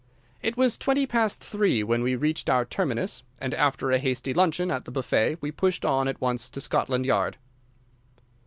It was twenty past three when we reached our terminus, and after a hasty luncheon at the buffet we pushed on at once to Scotland Yard.